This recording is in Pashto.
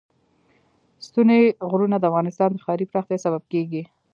ستوني غرونه د افغانستان د ښاري پراختیا سبب کېږي.